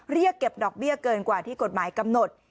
เรียกเก็บดอกเบี้ยเกินกว่าที่กฎหมายกำหนด